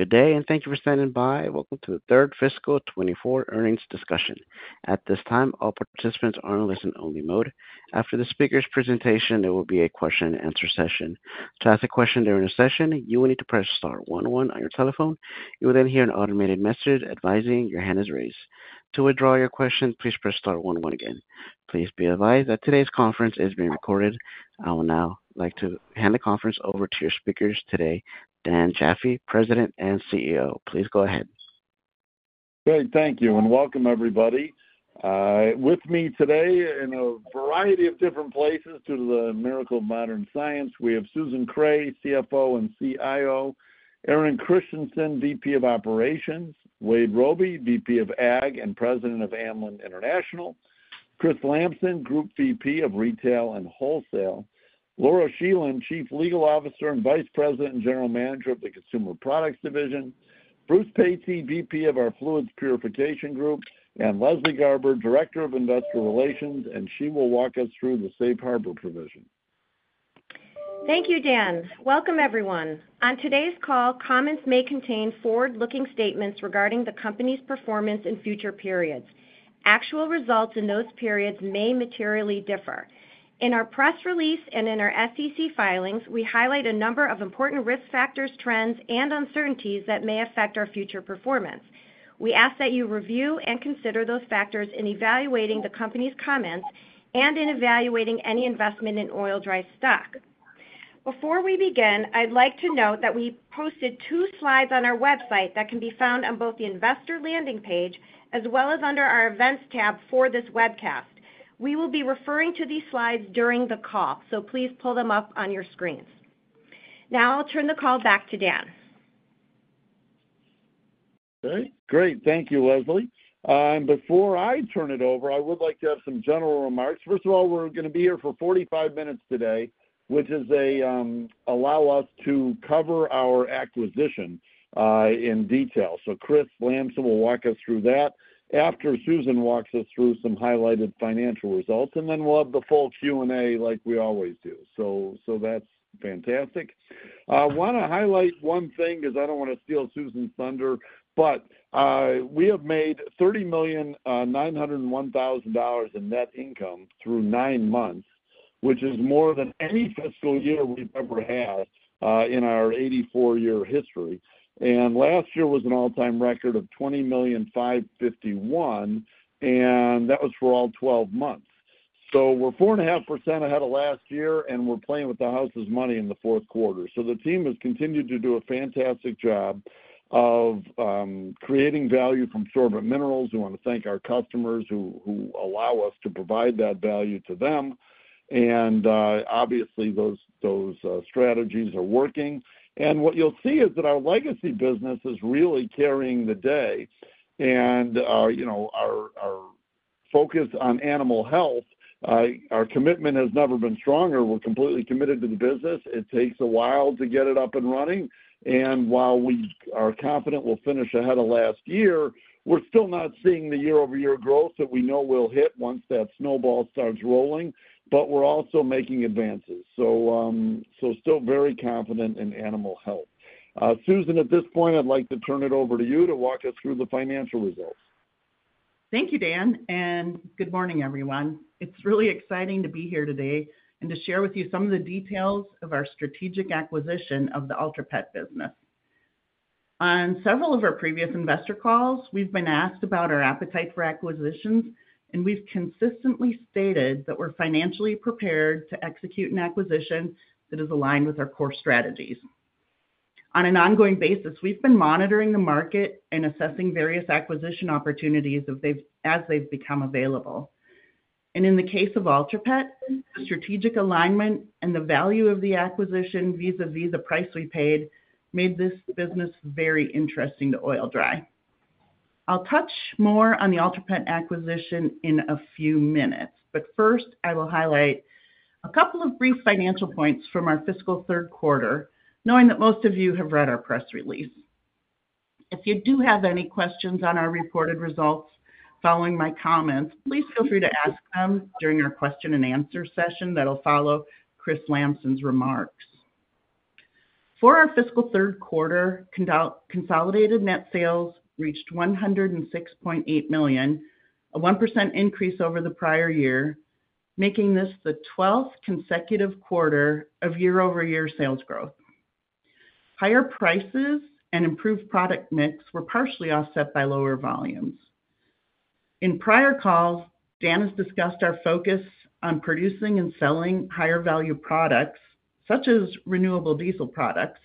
Good day, and thank you for standing by. Welcome to the third fiscal 2024 earnings discussion. At this time, all participants are in listen-only mode. After the speaker's presentation, there will be a question-and-answer session. To ask a question during the session, you will need to press star one one on your telephone. You will then hear an automated message advising your hand is raised. To withdraw your question, please press star one one again. Please be advised that today's conference is being recorded. I would now like to hand the conference over to your speakers today, Dan Jaffee, President and CEO. Please go ahead. Great. Thank you, and welcome, everybody. With me today, in a variety of different places due to the miracle of modern science, we have Susan Kreh, CFO and CIO; Aaron Christiansen, VP of Operations; Wade Robey, VP of Ag and President of Amlan International; Chris Lamson, Group VP of Retail and Wholesale; Laura Scheland, Chief Legal Officer and Vice President and General Manager of the Consumer Products Division; Bruce Patsey, VP of our Fluids Purification Group; and Leslie Garber, Director of Investor Relations, and she will walk us through the safe harbor provision. Thank you, Dan. Welcome, everyone. On today's call, comments may contain forward-looking statements regarding the company's performance in future periods. Actual results in those periods may materially differ. In our press release and in our SEC filings, we highlight a number of important risk factors, trends, and uncertainties that may affect our future performance. We ask that you review and consider those factors in evaluating the company's comments and in evaluating any investment in Oil-Dri stock. Before we begin, I'd like to note that we posted two slides on our website that can be found on both the investor landing page as well as under our events tab for this webcast. We will be referring to these slides during the call, so please pull them up on your screens. Now I'll turn the call back to Dan. Okay. Great. Thank you, Leslie. Before I turn it over, I would like to have some general remarks. First of all, we're going to be here for 45 minutes today, which will allow us to cover our acquisition in detail. So Chris Lamson will walk us through that after Susan walks us through some highlighted financial results, and then we'll have the full Q&A like we always do. So that's fantastic. I want to highlight one thing because I don't want to steal Susan's thunder, but we have made $30,901,000 in net income through nine months, which is more than any fiscal year we've ever had in our 84-year history. And last year was an all-time record of $20,551,000, and that was for all 12 months. So we're 4.5% ahead of last year, and we're playing with the house's money in the fourth quarter. So the team has continued to do a fantastic job of creating value from sorbent minerals. We want to thank our customers who allow us to provide that value to them. Obviously, those strategies are working. What you'll see is that our legacy business is really carrying the day. Our focus on animal health, our commitment has never been stronger. We're completely committed to the business. It takes a while to get it up and running. While we are confident we'll finish ahead of last year, we're still not seeing the year-over-year growth that we know we'll hit once that snowball starts rolling, but we're also making advances. Still very confident in animal health. Susan, at this point, I'd like to turn it over to you to walk us through the financial results. Thank you, Dan, and good morning, everyone. It's really exciting to be here today and to share with you some of the details of our strategic acquisition of the Ultra Pet business. On several of our previous investor calls, we've been asked about our appetite for acquisitions, and we've consistently stated that we're financially prepared to execute an acquisition that is aligned with our core strategies. On an ongoing basis, we've been monitoring the market and assessing various acquisition opportunities as they've become available. In the case of Ultra Pet, the strategic alignment and the value of the acquisition vis-à-vis the price we paid made this business very interesting to Oil-Dri. I'll touch more on the Ultra Pet acquisition in a few minutes, but first, I will highlight a couple of brief financial points from our fiscal third quarter, knowing that most of you have read our press release. If you do have any questions on our reported results following my comments, please feel free to ask them during our question-and-answer session that'll follow Chris Lamson's remarks. For our fiscal third quarter, consolidated net sales reached $106.8 million, a 1% increase over the prior year, making this the 12th consecutive quarter of year-over-year sales growth. Higher prices and improved product mix were partially offset by lower volumes. In prior calls, Dan has discussed our focus on producing and selling higher-value products, such as renewable diesel products,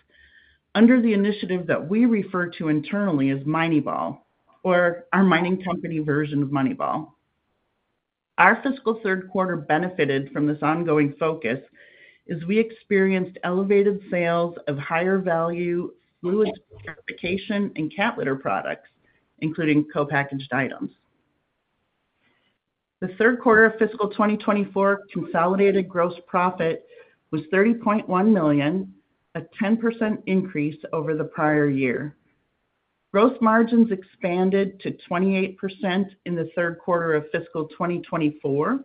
under the initiative that we refer to internally as Mineyball, or our mining company version of Moneyball. Our fiscal third quarter benefited from this ongoing focus as we experienced elevated sales of higher-value fluid purification and cat litter products, including co-packaged items. The third quarter of fiscal 2024 consolidated gross profit was $30.1 million, a 10% increase over the prior year. Gross margins expanded to 28% in the third quarter of fiscal 2024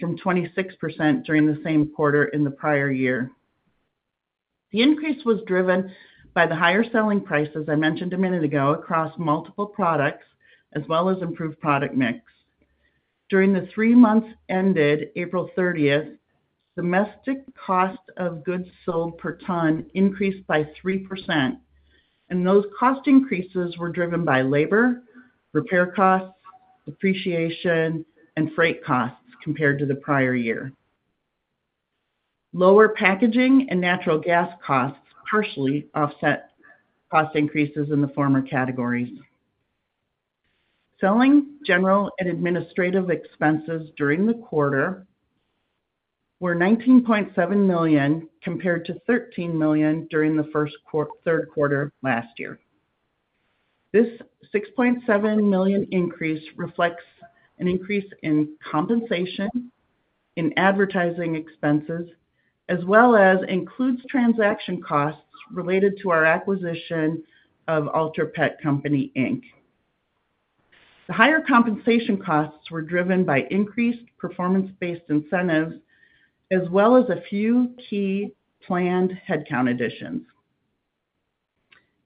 from 26% during the same quarter in the prior year. The increase was driven by the higher selling prices, I mentioned a minute ago, across multiple products, as well as improved product mix. During the three months ended April 30th, domestic cost of goods sold per ton increased by 3%. Those cost increases were driven by labor, repair costs, depreciation, and freight costs compared to the prior year. Lower packaging and natural gas costs partially offset cost increases in the former categories. Selling general and administrative expenses during the quarter were $19.7 million compared to $13 million during the first third quarter last year. This $6.7 million increase reflects an increase in compensation in advertising expenses, as well as includes transaction costs related to our acquisition of Ultra Pet Company, Inc. The higher compensation costs were driven by increased performance-based incentives, as well as a few key planned headcount additions.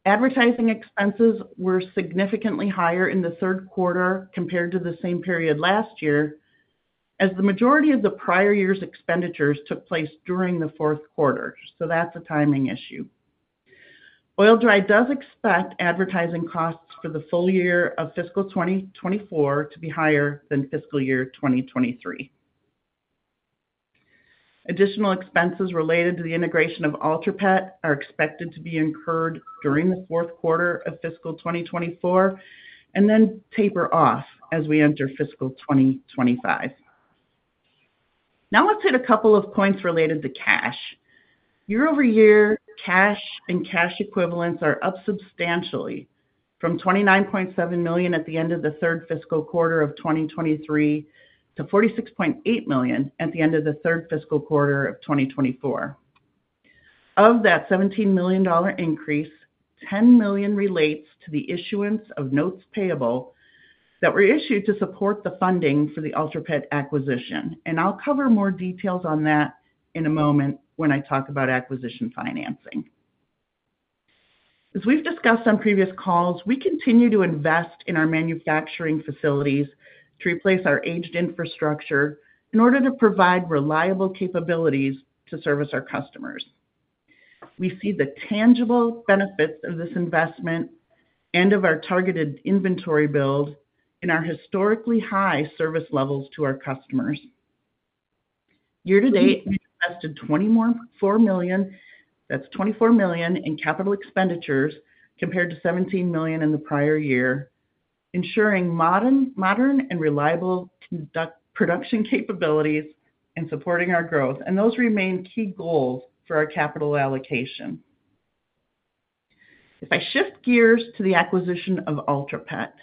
Advertising expenses were significantly higher in the third quarter compared to the same period last year, as the majority of the prior year's expenditures took place during the fourth quarter. So that's a timing issue. Oil-Dri does expect advertising costs for the full year of fiscal 2024 to be higher than fiscal year 2023. Additional expenses related to the integration of Ultra Pet are expected to be incurred during the fourth quarter of fiscal 2024 and then taper off as we enter fiscal 2025. Now let's hit a couple of points related to cash. Year-over-year, cash and cash equivalents are up substantially from $29.7 million at the end of the third fiscal quarter of 2023 to $46.8 million at the end of the third fiscal quarter of 2024. Of that $17 million increase, $10 million relates to the issuance of notes payable that were issued to support the funding for the Ultra Pet acquisition. I'll cover more details on that in a moment when I talk about acquisition financing. As we've discussed on previous calls, we continue to invest in our manufacturing facilities to replace our aged infrastructure in order to provide reliable capabilities to service our customers. We see the tangible benefits of this investment and of our targeted inventory build in our historically high service levels to our customers. Year to date, we've invested $24 million, that's $24 million in capital expenditures compared to $17 million in the prior year, ensuring modern and reliable production capabilities and supporting our growth. Those remain key goals for our capital allocation. If I shift gears to the acquisition of Ultra Pet,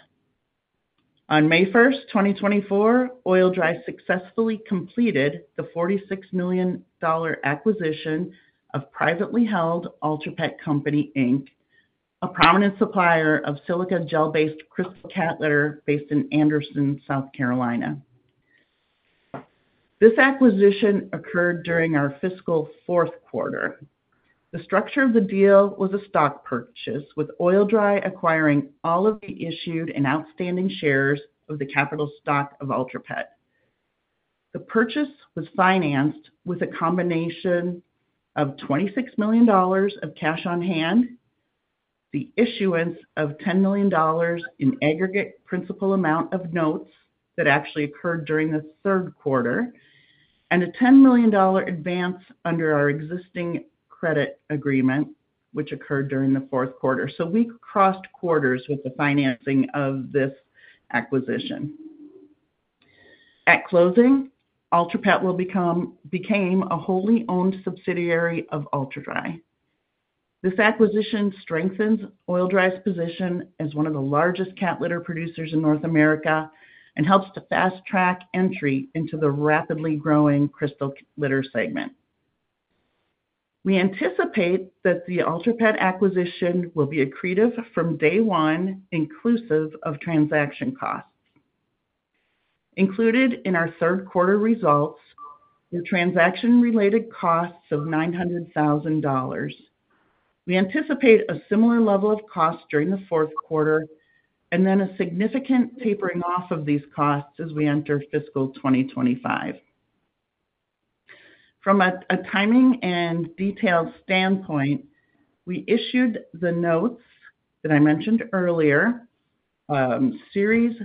on May 1st, 2024, Oil-Dri successfully completed the $46 million acquisition of privately held Ultra Pet Company Inc, a prominent supplier of silica gel-based crystal cat litter based in Anderson, South Carolina. This acquisition occurred during our fiscal fourth quarter. The structure of the deal was a stock purchase, with Oil-Dri acquiring all of the issued and outstanding shares of the capital stock of Ultra Pet. The purchase was financed with a combination of $26 million of cash on hand, the issuance of $10 million in aggregate principal amount of notes that actually occurred during the third quarter, and a $10 million advance under our existing credit agreement, which occurred during the fourth quarter. So we crossed quarters with the financing of this acquisition. At closing, Ultra Pet became a wholly owned subsidiary of Oil-Dri. This acquisition strengthens Oil-Dri's position as one of the largest cat litter producers in North America and helps to fast-track entry into the rapidly growing crystal litter segment. We anticipate that the Ultra Pet acquisition will be accretive from day one, inclusive of transaction costs. Included in our third quarter results are transaction-related costs of $900,000. We anticipate a similar level of cost during the fourth quarter and then a significant tapering off of these costs as we enter fiscal 2025. From a timing and detailed standpoint, we issued the notes that I mentioned earlier, Series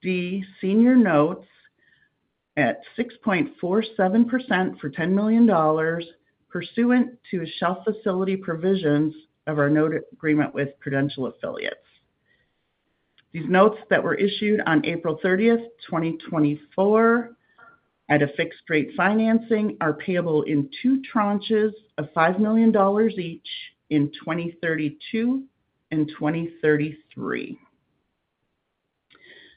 D senior notes at 6.47% for $10 million, pursuant to shelf facility provisions of our note agreement with Prudential Affiliates. These notes that were issued on April 30th, 2024, at a fixed-rate financing are payable in two tranches of $5 million each in 2032 and 2033.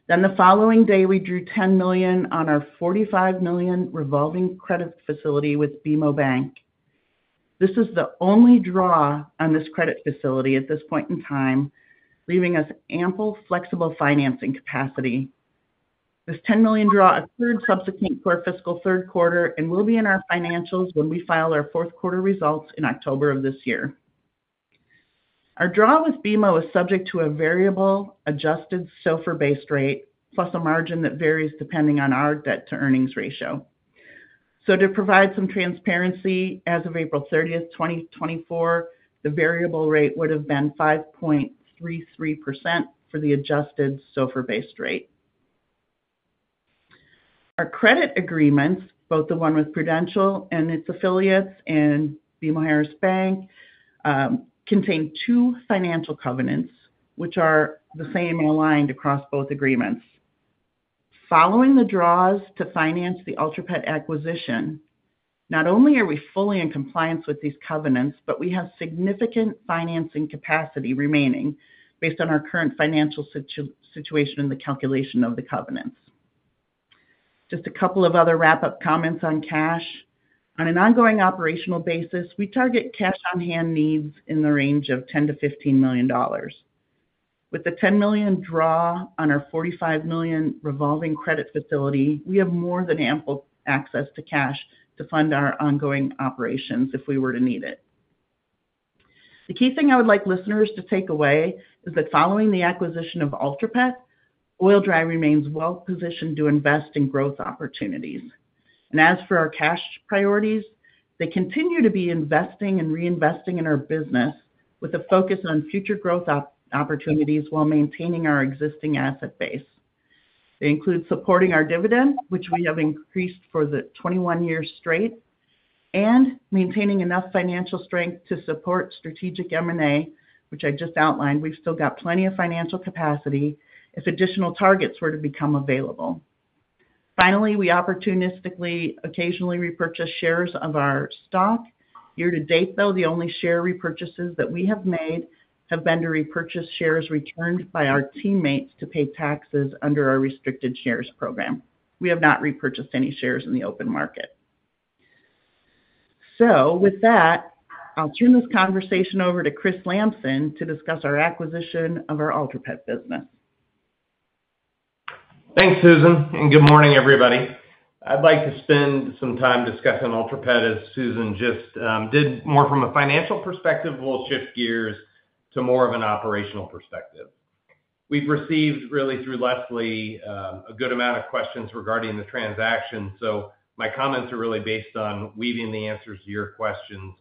Then the following day, we drew $10 million on our $45 million revolving credit facility with BMO Bank. This is the only draw on this credit facility at this point in time, leaving us ample flexible financing capacity. This $10 million draw occurred subsequent to our fiscal third quarter and will be in our financials when we file our fourth quarter results in October of this year. Our draw with BMO is subject to a variable adjusted SOFR-based rate, plus a margin that varies depending on our debt-to-earnings ratio. So to provide some transparency, as of April 30th, 2024, the variable rate would have been 5.33% for the adjusted SOFR-based rate. Our credit agreements, both the one with Prudential and its affiliates and BMO Harris Bank, contain two financial covenants, which are the same and aligned across both agreements. Following the draws to finance the Ultra Pet acquisition, not only are we fully in compliance with these covenants, but we have significant financing capacity remaining based on our current financial situation and the calculation of the covenants. Just a couple of other wrap-up comments on cash. On an ongoing operational basis, we target cash-on-hand needs in the range of $10-$15 million. With the $10 million draw on our $45 million revolving credit facility, we have more than ample access to cash to fund our ongoing operations if we were to need it. The key thing I would like listeners to take away is that following the acquisition of Ultra Pet, Oil-Dri remains well-positioned to invest in growth opportunities. As for our cash priorities, they continue to be investing and reinvesting in our business with a focus on future growth opportunities while maintaining our existing asset base. They include supporting our dividend, which we have increased for 21 years straight, and maintaining enough financial strength to support strategic M&A, which I just outlined. We've still got plenty of financial capacity if additional targets were to become available. Finally, we opportunistically occasionally repurchase shares of our stock. Year to date, though, the only share repurchases that we have made have been to repurchase shares returned by our teammates to pay taxes under our restricted shares program. We have not repurchased any shares in the open market. So with that, I'll turn this conversation over to Chris Lamson to discuss our acquisition of our Ultra Pet business. Thanks, Susan. And good morning, everybody. I'd like to spend some time discussing Ultra Pet, as Susan just did. More from a financial perspective, we'll shift gears to more of an operational perspective. We've received, really through Leslie, a good amount of questions regarding the transaction. So my comments are really based on weaving the answers to your questions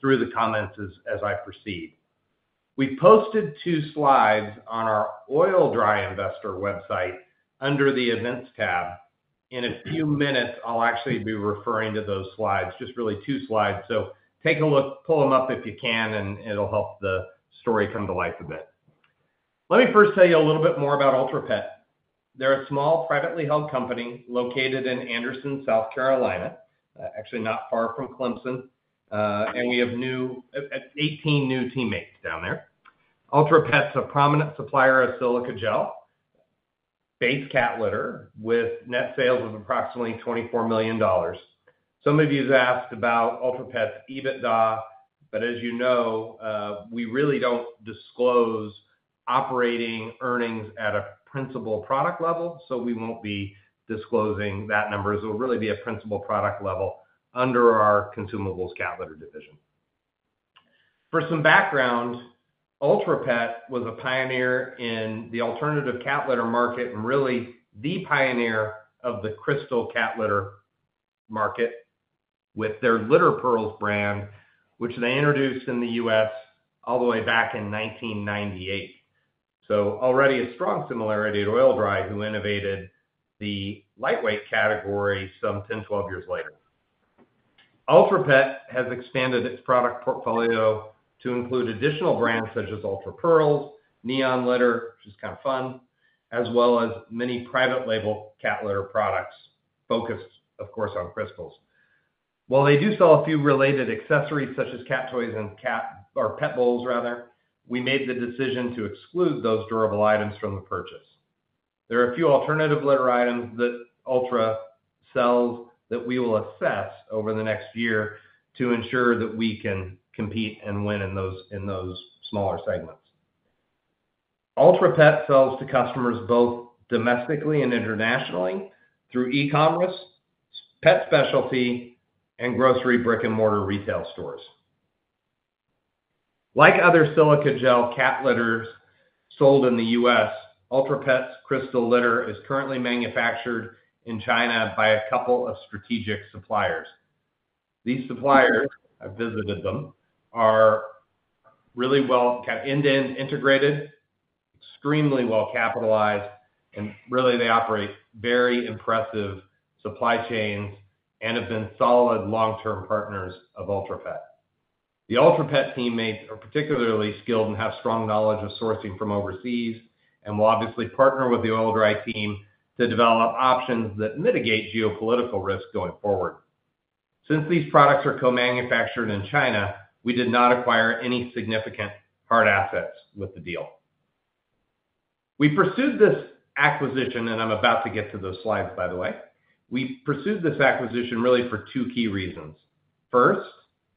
through the comments as I proceed. We posted two slides on our Oil-Dri investor website under the events tab. In a few minutes, I'll actually be referring to those slides, just really two slides. So take a look, pull them up if you can, and it'll help the story come to life a bit. Let me first tell you a little bit more about Ultra Pet. They're a small privately held company located in Anderson, South Carolina, actually not far from Clemson. And we have 18 new teammates down there. Ultra Pet's a prominent supplier of silica gel-based cat litter, with net sales of approximately $24 million. Some of you have asked about Ultra Pet's EBITDA, but as you know, we really don't disclose operating earnings at a principal product level, so we won't be disclosing that number. It'll really be at principal product level under our consumables cat litter division. For some background, Ultra Pet was a pioneer in the alternative cat litter market and really the pioneer of the crystal cat litter market with their Litter Pearls brand, which they introduced in the U.S. all the way back in 1998. So already a strong similarity to Oil-Dri, who innovated the lightweight category some 10, 12 years later. Ultra Pet has expanded its product portfolio to include additional brands such as Ultra Pearls, Neon Litter, which is kind of fun, as well as many private label cat litter products focused, of course, on crystals. While they do sell a few related accessories such as cat toys and cat or pet bowls, rather, we made the decision to exclude those durable items from the purchase. There are a few alternative litter items that Ultra sells that we will assess over the next year to ensure that we can compete and win in those smaller segments. Ultra Pet sells to customers both domestically and internationally through e-commerce, pet specialty, and grocery brick-and-mortar retail stores. Like other silica gel cat litters sold in the U.S., Ultra Pet's crystal litter is currently manufactured in China by a couple of strategic suppliers. These suppliers, I've visited them, are really well kind of end-to-end integrated, extremely well capitalized, and really they operate very impressive supply chains and have been solid long-term partners of Ultra Pet. The Ultra Pet teammates are particularly skilled and have strong knowledge of sourcing from overseas and will obviously partner with the Oil-Dri team to develop options that mitigate geopolitical risk going forward. Since these products are co-manufactured in China, we did not acquire any significant hard assets with the deal. We pursued this acquisition, and I'm about to get to those slides, by the way. We pursued this acquisition really for two key reasons. First,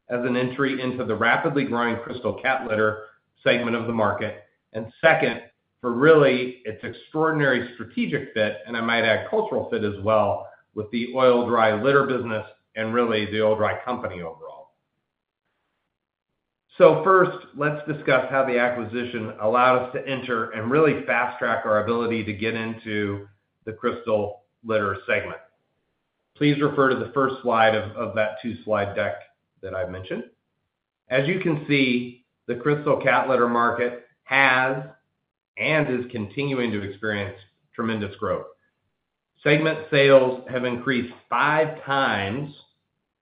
as an entry into the rapidly growing crystal cat litter segment of the market, and second, for really its extraordinary strategic fit, and I might add cultural fit as well with the Oil-Dri litter business and really the Oil-Dri company overall. First, let's discuss how the acquisition allowed us to enter and really fast-track our ability to get into the crystal litter segment. Please refer to the first slide of that two-slide deck that I've mentioned. As you can see, the crystal cat litter market has and is continuing to experience tremendous growth. Segment sales have increased 5 times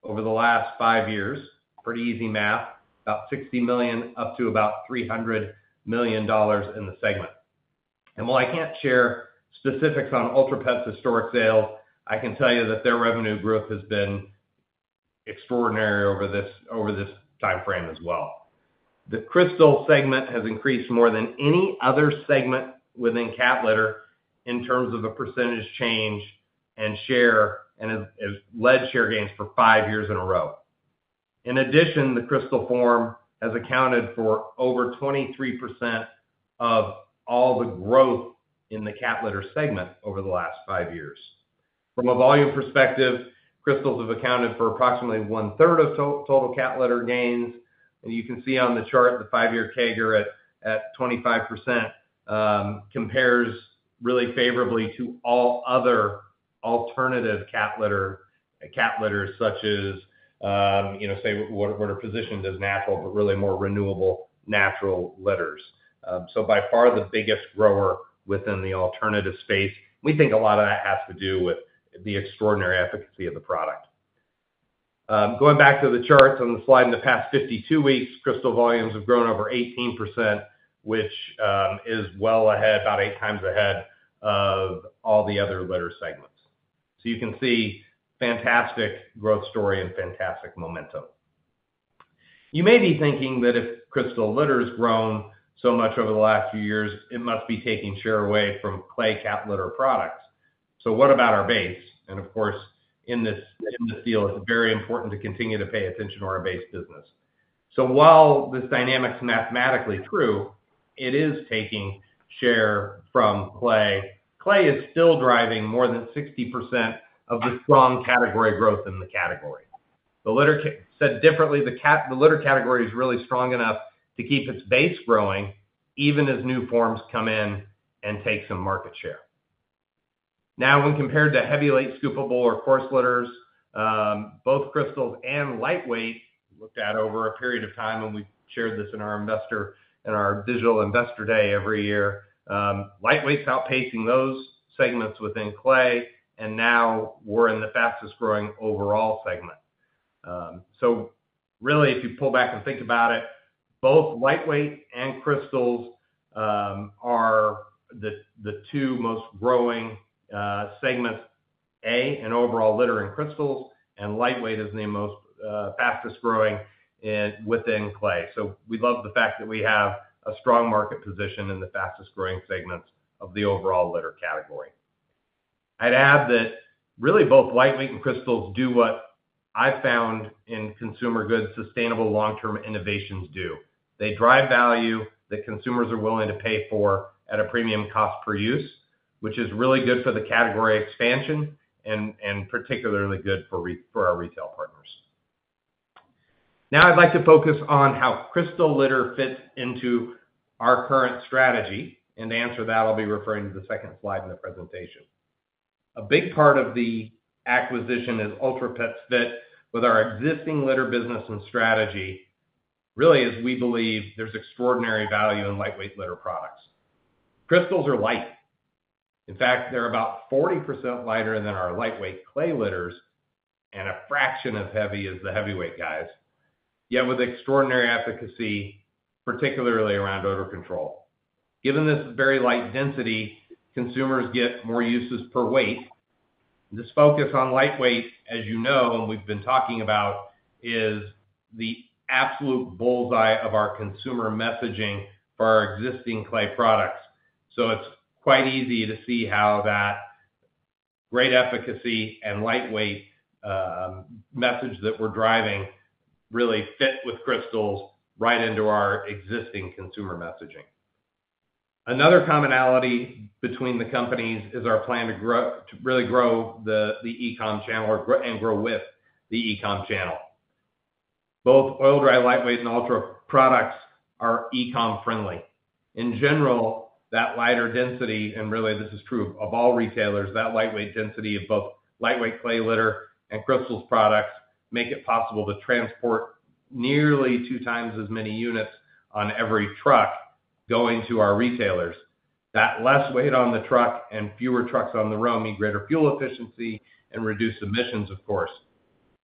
over the last 5 years. Pretty easy math, about $60 million up to about $300 million in the segment. And while I can't share specifics on Ultra Pet's historic sales, I can tell you that their revenue growth has been extraordinary over this timeframe as well. The crystal segment has increased more than any other segment within cat litter in terms of a percentage change and share and has led share gains for 5 years in a row. In addition, the crystal form has accounted for over 23% of all the growth in the cat litter segment over the last 5 years. From a volume perspective, crystals have accounted for approximately one-third of total cat litter gains. You can see on the chart the 5-year CAGR at 25% compares really favorably to all other alternative cat litters such as, say, what are positioned as natural, but really more renewable natural litters. By far the biggest grower within the alternative space. We think a lot of that has to do with the extraordinary efficacy of the product. Going back to the charts on the slide, in the past 52 weeks, crystal volumes have grown over 18%, which is well ahead, about 8 times ahead of all the other litter segments. You can see fantastic growth story and fantastic momentum. You may be thinking that if crystal litter has grown so much over the last few years, it must be taking share away from clay cat litter products. So what about our base? And of course, in this field, it's very important to continue to pay attention to our base business. So while this dynamic is mathematically true, it is taking share from clay. Clay is still driving more than 60% of the strong category growth in the category. But put differently, the litter category is really strong enough to keep its base growing even as new forms come in and take some market share. Now, when compared to heavyweight, scoopable, or coarse litters, both crystals and lightweight, looked at over a period of time, and we've shared this in our digital investor day every year, lightweight's outpacing those segments within clay, and now we're in the fastest growing overall segment. So really, if you pull back and think about it, both lightweight and crystals are the two most growing segments, A, in overall litter and crystals, and lightweight is the fastest growing within clay. So we love the fact that we have a strong market position in the fastest growing segments of the overall litter category. I'd add that really both lightweight and crystals do what I've found in consumer goods sustainable long-term innovations do. They drive value that consumers are willing to pay for at a premium cost per use, which is really good for the category expansion and particularly good for our retail partners. Now, I'd like to focus on how crystal litter fits into our current strategy. To answer that, I'll be referring to the second slide in the presentation. A big part of the acquisition is Ultra Pet's fit with our existing litter business and strategy, really, as we believe there's extraordinary value in lightweight litter products. Crystals are light. In fact, they're about 40% lighter than our lightweight clay litters, and a fraction as heavy as the heavyweight guys, yet with extraordinary efficacy, particularly around odor control. Given this very light density, consumers get more uses per weight. This focus on lightweight, as you know, and we've been talking about, is the absolute bullseye of our consumer messaging for our existing clay products. So it's quite easy to see how that great efficacy and lightweight message that we're driving really fit with crystals right into our existing consumer messaging. Another commonality between the companies is our plan to really grow the e-com channel and grow with the e-com channel. Both Oil-Dri, Lightweight, and Ultra products are e-com friendly. In general, that lighter density, and really this is true of all retailers, that lightweight density of both lightweight clay litter and crystals products makes it possible to transport nearly two times as many units on every truck going to our retailers. That less weight on the truck and fewer trucks on the road means greater fuel efficiency and reduced emissions, of course.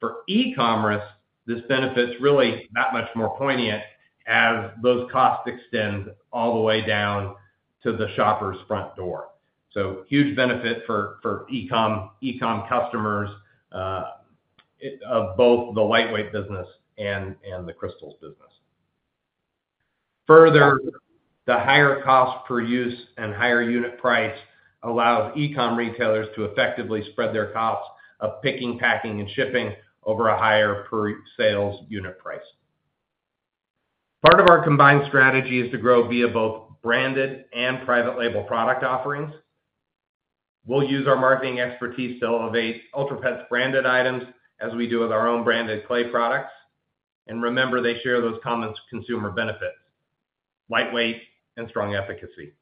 For e-commerce, this benefits really that much more poignant as those costs extend all the way down to the shopper's front door. So huge benefit for e-com customers of both the lightweight business and the crystals business. Further, the higher cost per use and higher unit price allows e-com retailers to effectively spread their costs of picking, packing, and shipping over a higher per sales unit price. Part of our combined strategy is to grow via both branded and private label product offerings. We'll use our marketing expertise to elevate Ultra Pet's branded items as we do with our own branded clay products. And remember, they share those common consumer benefits: lightweight and strong efficacy.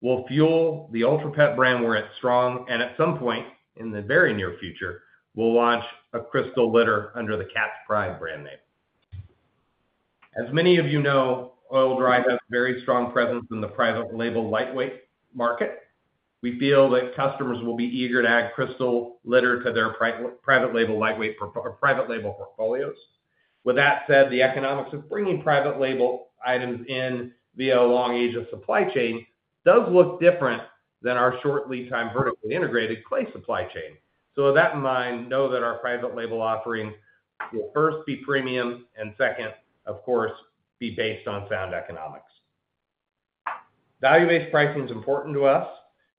We'll fuel the Ultra Pet brand where it's strong. And at some point in the very near future, we'll launch a crystal litter under the Cat's Pride brand name. As many of you know, Oil-Dri has a very strong presence in the private label lightweight market. We feel that customers will be eager to add crystal litter to their private label lightweight or private label portfolios. With that said, the economics of bringing private label items in via a longer supply chain does look different than our short lead time vertically integrated clay supply chain. So with that in mind, know that our private label offering will first be premium and second, of course, be based on sound economics. Value-based pricing is important to us.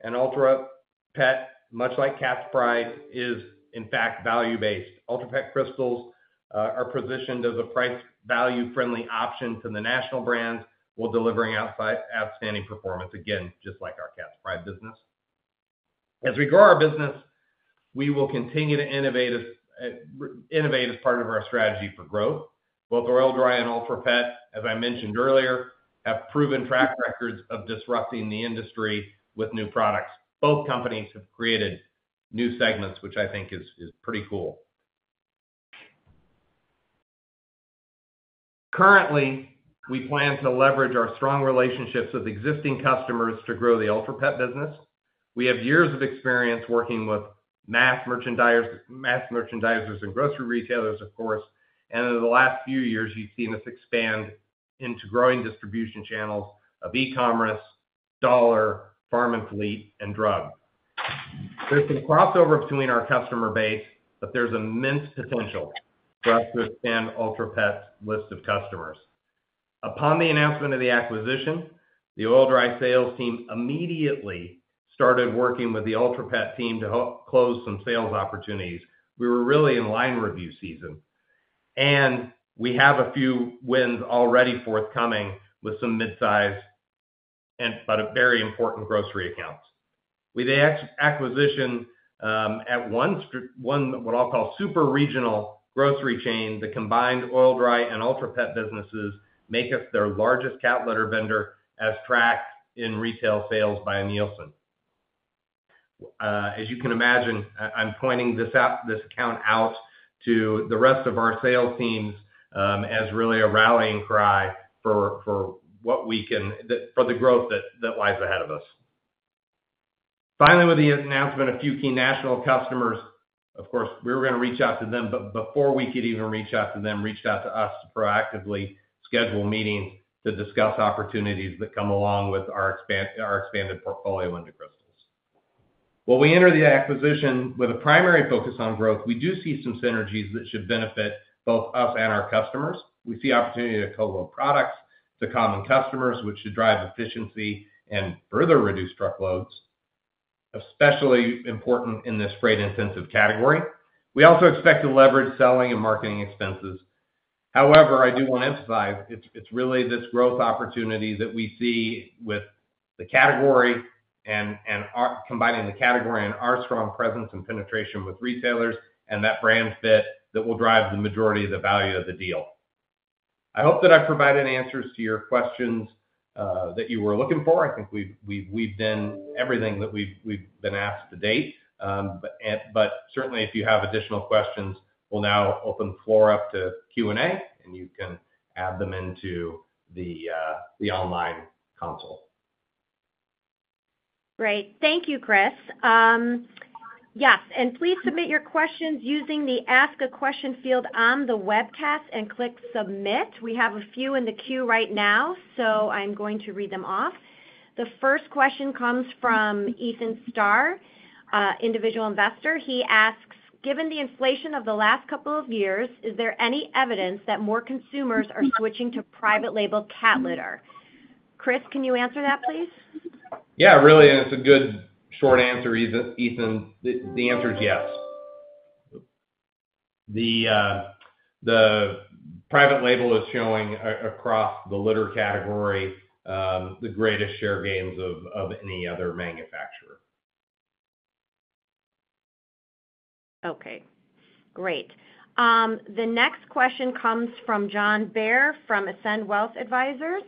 Ultra Pet, much like Cat's Pride, is in fact value-based. Ultra Pet crystals are positioned as a price-value-friendly option to the national brands, while delivering outstanding performance, again, just like our Cat's Pride business. As we grow our business, we will continue to innovate as part of our strategy for growth. Both Oil-Dri and Ultra Pet, as I mentioned earlier, have proven track records of disrupting the industry with new products. Both companies have created new segments, which I think is pretty cool. Currently, we plan to leverage our strong relationships with existing customers to grow the Ultra Pet business. We have years of experience working with mass merchandisers and grocery retailers, of course. In the last few years, you've seen us expand into growing distribution channels of e-commerce, dollar, pharma fleet, and drugs. There's some crossover between our customer base, but there's immense potential for us to expand Ultra Pet's list of customers. Upon the announcement of the acquisition, the Oil-Dri sales team immediately started working with the Ultra Pet team to close some sales opportunities. We were really in line review season. We have a few wins already forthcoming with some mid-size but very important grocery accounts. With the acquisition at one, what I'll call super regional grocery chain, the combined Oil-Dri and Ultra Pet businesses make us their largest cat litter vendor as tracked in retail sales by Nielsen. As you can imagine, I'm pointing this account out to the rest of our sales teams as really a rallying cry for what we can for the growth that lies ahead of us. Finally, with the announcement of few key national customers, of course, we were going to reach out to them, but before we could even reach out to them, reached out to us to proactively schedule meetings to discuss opportunities that come along with our expanded portfolio into crystals. While we enter the acquisition with a primary focus on growth, we do see some synergies that should benefit both us and our customers. We see opportunity to co-load products to common customers, which should drive efficiency and further reduce truckloads, especially important in this freight-intensive category. We also expect to leverage selling and marketing expenses. However, I do want to emphasize it's really this growth opportunity that we see with the category and combining the category and our strong presence and penetration with retailers and that brand fit that will drive the majority of the value of the deal. I hope that I've provided answers to your questions that you were looking for. I think we've done everything that we've been asked to date. But certainly, if you have additional questions, we'll now open the floor up to Q&A, and you can add them into the online console. Great. Thank you, Chris. Yes. And please submit your questions using the Ask a Question field on the webcast and click Submit. We have a few in the queue right now, so I'm going to read them off. The first question comes from Ethan Starr, individual investor. He asks, "Given the inflation of the last couple of years, is there any evidence that more consumers are switching to private label cat litter?" Chris, can you answer that, please? Yeah. Really, it's a good short answer, Ethan. The answer is yes. The private label is showing across the litter category the greatest share gains of any other manufacturer. Okay. Great. The next question comes from John Baer from Ascend Wealth Advisors.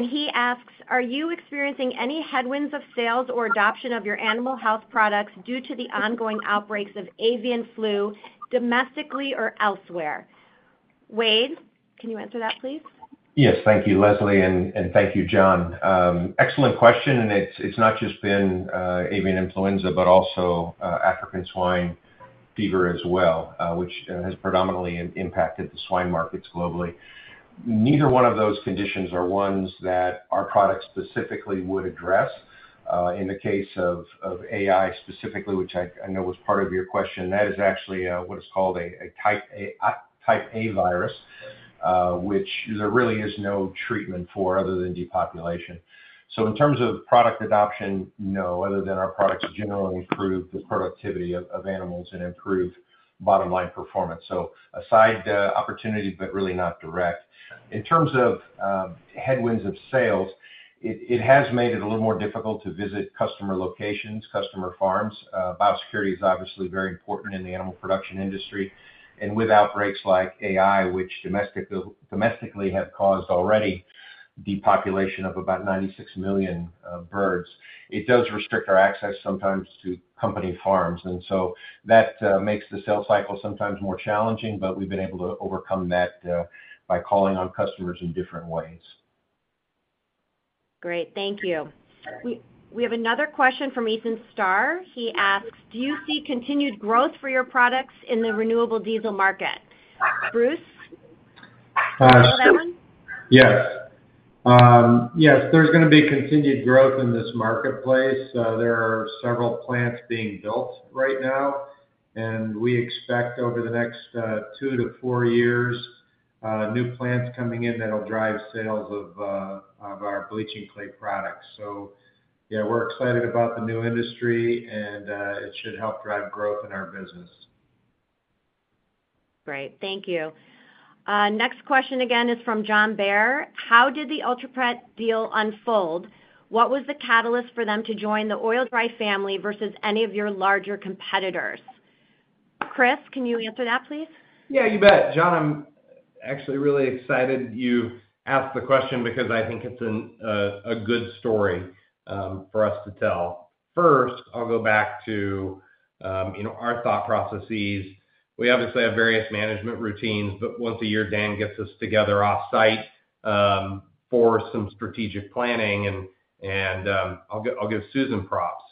He asks, "Are you experiencing any headwinds of sales or adoption of your animal health products due to the ongoing outbreaks of avian flu domestically or elsewhere?" Wade, can you answer that, please? Yes. Thank you, Leslie, and thank you, John. Excellent question. And it's not just been avian influenza, but also African swine fever as well, which has predominantly impacted the swine markets globally. Neither one of those conditions are ones that our product specifically would address. In the case of AI specifically, which I know was part of your question, that is actually what is called a type A virus, which there really is no treatment for other than depopulation. So in terms of product adoption, no, other than our products generally improve the productivity of animals and improve bottom-line performance. So a side opportunity, but really not direct. In terms of headwinds of sales, it has made it a little more difficult to visit customer locations, customer farms. Biosecurity is obviously very important in the animal production industry. With outbreaks like AI, which domestically have caused already depopulation of about 96 million birds, it does restrict our access sometimes to company farms. So that makes the sales cycle sometimes more challenging, but we've been able to overcome that by calling on customers in different ways. Great. Thank you. We have another question from Ethan Starr. He asks, "Do you see continued growth for your products in the renewable diesel market?" Bruce? Can you handle that one? Yes. Yes. There's going to be continued growth in this marketplace. There are several plants being built right now. We expect over the next 2-4 years, new plants coming in that'll drive sales of our bleaching clay products. So yeah, we're excited about the new industry, and it should help drive growth in our business. Great. Thank you. Next question again is from John Baer. How did the Ultra Pet deal unfold? What was the catalyst for them to join the Oil-Dri family versus any of your larger competitors?" Chris, can you answer that, please? Yeah, you bet. John, I'm actually really excited you asked the question because I think it's a good story for us to tell. First, I'll go back to our thought processes. We obviously have various management routines, but once a year, Dan gets us together off-site for some strategic planning. And I'll give Susan props.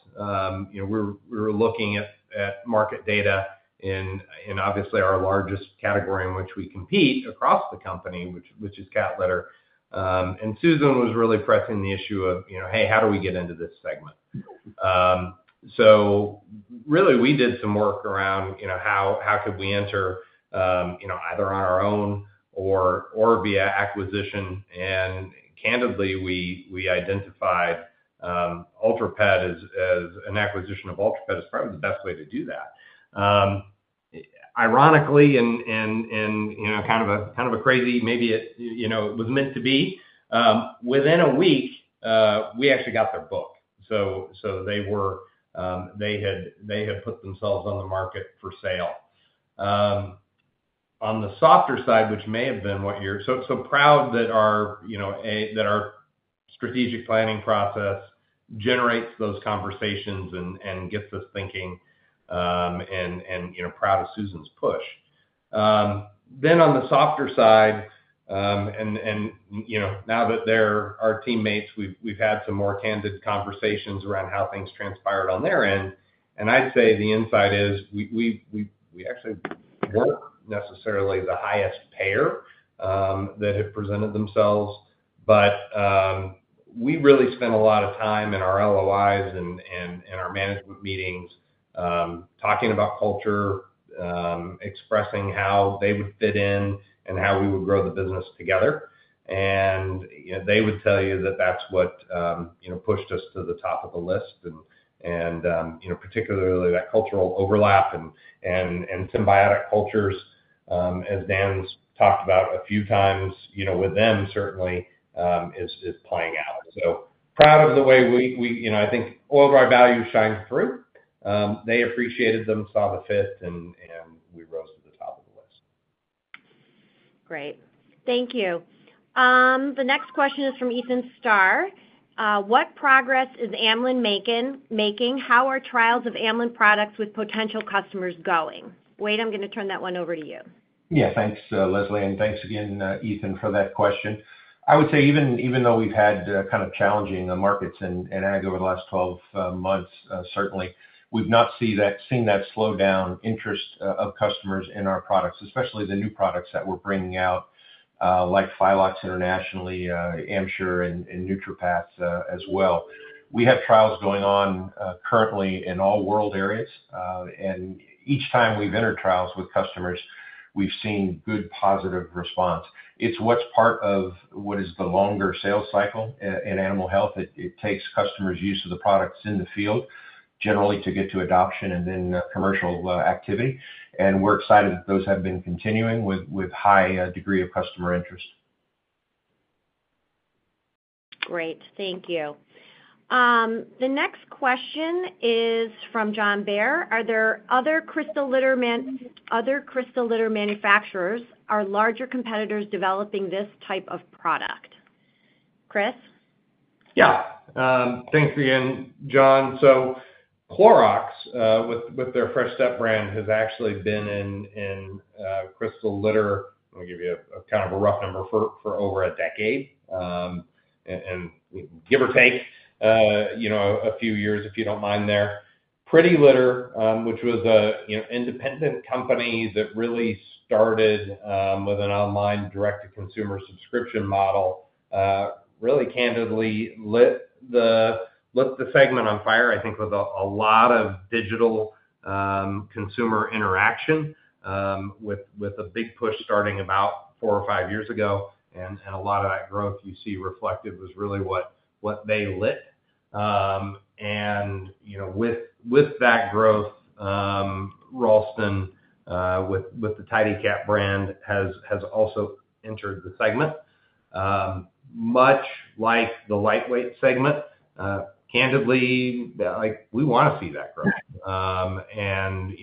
We were looking at market data in obviously our largest category in which we compete across the company, which is cat litter. And Susan was really pressing the issue of, "Hey, how do we get into this segment?" So really, we did some work around how could we enter either on our own or via acquisition. And candidly, we identified Ultra Pet as an acquisition of Ultra Pet as probably the best way to do that. Ironically, and kind of a crazy maybe it was meant to be, within a week, we actually got their book. So they had put themselves on the market for sale. On the softer side, which may have been what you're so proud that our strategic planning process generates those conversations and gets us thinking and proud of Susan's push. Then on the softer side, and now that they're our teammates, we've had some more candid conversations around how things transpired on their end. And I'd say the insight is we actually weren't necessarily the highest payer that had presented themselves. But we really spent a lot of time in our LOIs and our management meetings talking about culture, expressing how they would fit in and how we would grow the business together. And they would tell you that that's what pushed us to the top of the list. And particularly, that cultural overlap and symbiotic cultures, as Dan's talked about a few times with them, certainly is playing out. So proud of the way we I think Oil-Dri value shines through. They appreciated them, saw the fit, and we rose to the top of the list. Great. Thank you. The next question is from Ethan Starr. "What progress is Amlan making? How are trials of Amlan products with potential customers going?" Wade, I'm going to turn that one over to you. Yeah. Thanks, Leslie. And thanks again, Ethan, for that question. I would say even though we've had kind of challenging markets in ag over the last 12 months, certainly, we've not seen that slowdown interest of customers in our products, especially the new products that we're bringing out like Phyllox internationally, AmSure, and NeutraPath as well. We have trials going on currently in all world areas. And each time we've entered trials with customers, we've seen good positive response. It's what's part of what is the longer sales cycle in animal health. It takes customers' use of the products in the field generally to get to adoption and then commercial activity. And we're excited that those have been continuing with high degree of customer interest. Great. Thank you. The next question is from John Baer. "Are there other crystal litter manufacturers or larger competitors developing this type of product?" Chris? Yeah. Thanks again, John. So Clorox, with their Fresh Step brand, has actually been in crystal litter, let me give you kind of a rough number, for over a decade, and give or take a few years if you don't mind there. PrettyLitter, which was an independent company that really started with an online direct-to-consumer subscription model, really candidly lit the segment on fire, I think, with a lot of digital consumer interaction with a big push starting about four or five years ago. And a lot of that growth you see reflected was really what they lit. And with that growth, Ralston, with the Tidy Cats brand, has also entered the segment, much like the lightweight segment. Candidly, we want to see that growth. And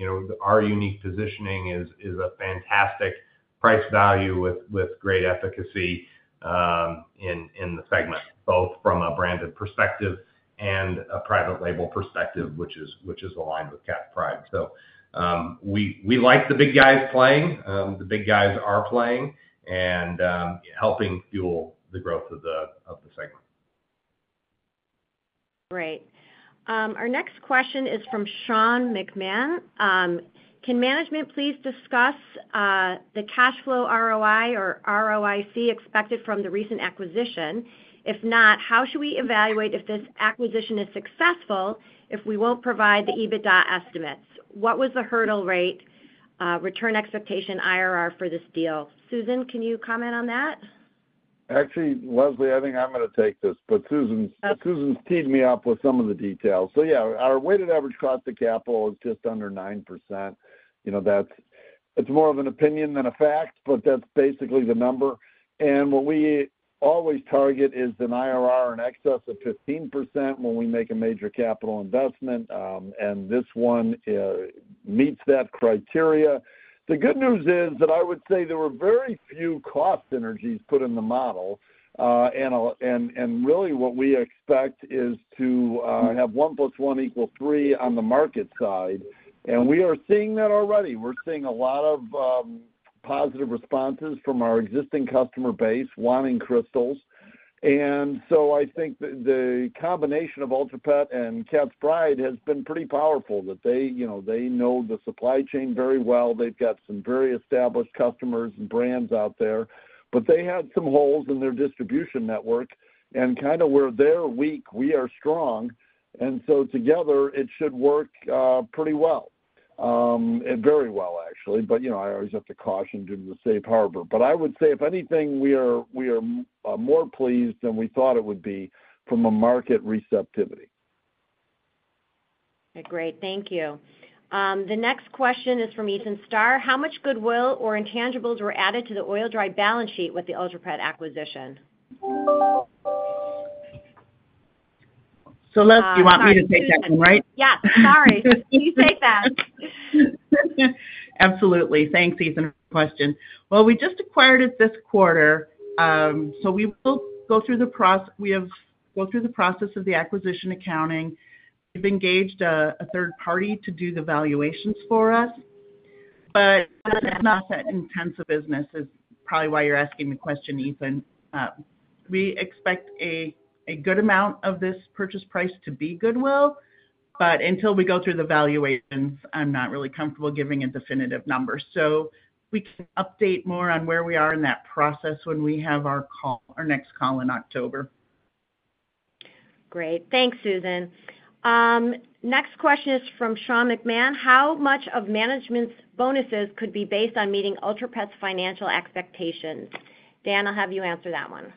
our unique positioning is a fantastic price value with great efficacy in the segment, both from a branded perspective and a private label perspective, which is aligned with Cat's Pride. So we like the big guys playing. The big guys are playing and helping fuel the growth of the segment. Great. Our next question is from Sean McMahon. "Can management please discuss the cash flow ROI or ROIC expected from the recent acquisition? If not, how should we evaluate if this acquisition is successful if we won't provide the EBITDA estimates? What was the hurdle rate return expectation IRR for this deal?" Susan, can you comment on that? Actually, Leslie, I think I'm going to take this, but Susan's teed me up with some of the details. So yeah, our weighted average cost of capital is just under 9%. It's more of an opinion than a fact, but that's basically the number. What we always target is an IRR in excess of 15% when we make a major capital investment. This one meets that criteria. The good news is that I would say there were very few cost synergies put in the model. And really, what we expect is to have 1 + 1 = 3 on the market side. And we are seeing that already. We're seeing a lot of positive responses from our existing customer base wanting crystals. And so I think the combination of Ultra Pet and Cat's Pride has been pretty powerful that they know the supply chain very well. They've got some very established customers and brands out there. But they had some holes in their distribution network. And kind of where they're weak, we are strong. And so together, it should work pretty well. Very well, actually. But I always have to caution due to the safe harbor. But I would say, if anything, we are more pleased than we thought it would be from a market receptivity. Okay. Great. Thank you. The next question is from Ethan Starr. "How much goodwill or intangibles were added to the Oil-Dri balance sheet with the Ultra Pet acquisition?" So Leslie, you want me to take that one, right? Yes. Sorry. You take that. Absolutely. Thanks, Ethan, for the question. Well, we just acquired it this quarter. So we will go through the process we have gone through the process of the acquisition accounting. We've engaged a third party to do the valuations for us. But it's not that intense a business; it's probably why you're asking the question, Ethan. We expect a good amount of this purchase price to be goodwill. But until we go through the valuations, I'm not really comfortable giving a definitive number. So we can update more on where we are in that process when we have our next call in October. Great. Thanks, Susan. Next question is from Sean McMahon. "How much of management's bonuses could be based on meeting Ultra Pet's financial expectations?" Dan, I'll have you answer that one.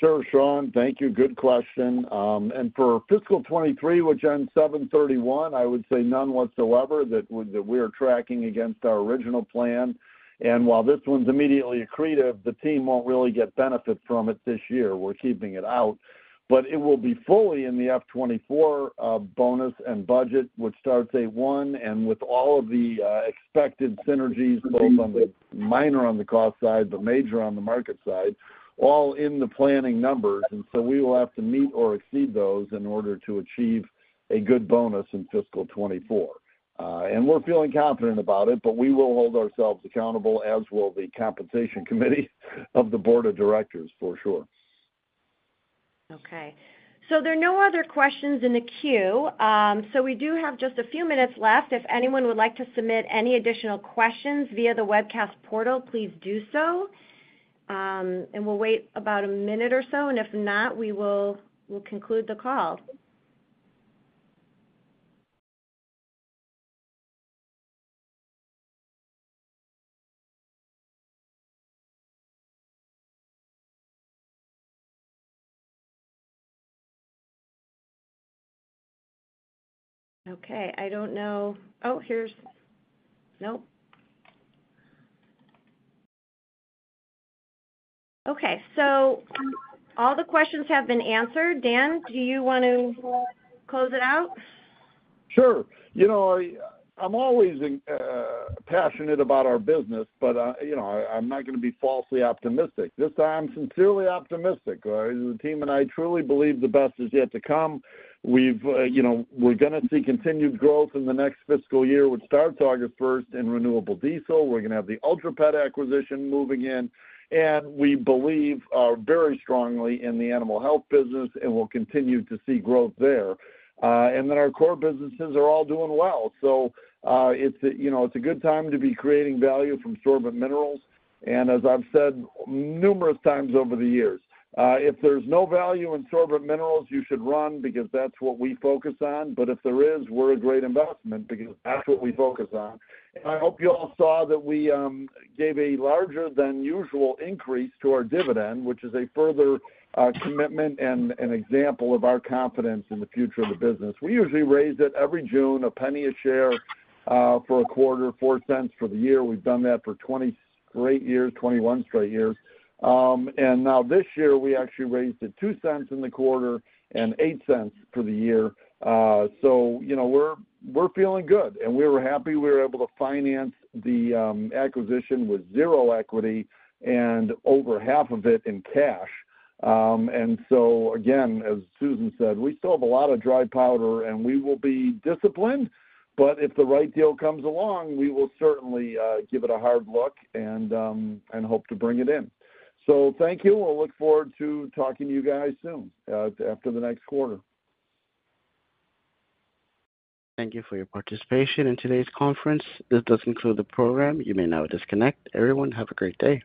Sure, Sean. Thank you. Good question. For fiscal 2023, which ends 7/31, I would say none whatsoever that we are tracking against our original plan. While this one's immediately accretive, the team won't really get benefit from it this year. We're keeping it out. But it will be fully in the fiscal 2024 bonus and budget, which starts August 1. With all of the expected synergies, both on the minor on the cost side but major on the market side, all in the planning numbers. So we will have to meet or exceed those in order to achieve a good bonus in fiscal 2024. We're feeling confident about it, but we will hold ourselves accountable, as will the compensation committee of the board of directors, for sure. Okay. There are no other questions in the queue. We do have just a few minutes left. If anyone would like to submit any additional questions via the webcast portal, please do so. We'll wait about a minute or so. If not, we will conclude the call. Okay. I don't know. Oh, here's. Nope. Okay. All the questions have been answered. Dan, do you want to close it out? Sure. I'm always passionate about our business, but I'm not going to be falsely optimistic. This time, I'm sincerely optimistic. The team and I truly believe the best is yet to come. We're going to see continued growth in the next fiscal year, which starts August 1st in renewable diesel. We're going to have the Ultra Pet acquisition moving in. We believe very strongly in the animal health business, and we'll continue to see growth there. Then our core businesses are all doing well. So it's a good time to be creating value from sorbent minerals. And as I've said numerous times over the years, if there's no value in sorbent minerals, you should run because that's what we focus on. But if there is, we're a great investment because that's what we focus on. And I hope you all saw that we gave a larger-than-usual increase to our dividend, which is a further commitment and an example of our confidence in the future of the business. We usually raise it every June, $0.01 per share for a quarter, $0.04 for the year. We've done that for 20 straight years, 21 straight years. Now this year, we actually raised it $0.02 in the quarter and $0.08 for the year. We're feeling good. We were happy we were able to finance the acquisition with 0 equity and over half of it in cash. So, again, as Susan said, we still have a lot of dry powder, and we will be disciplined. But if the right deal comes along, we will certainly give it a hard look and hope to bring it in. Thank you. We'll look forward to talking to you guys soon after the next quarter. Thank you for your participation in today's conference. This does conclude the program. You may now disconnect. Everyone, have a great day.